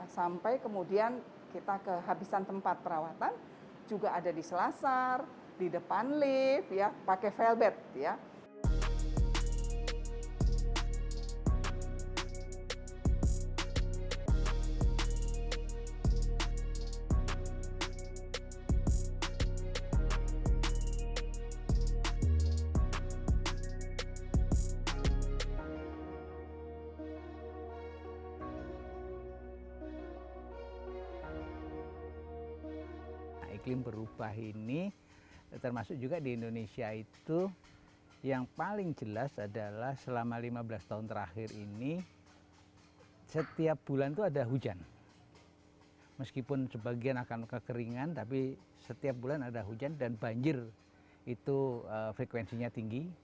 sampai kemudian kita kehabisan tempat perawatan juga ada di selasar di depan lift pakai velvet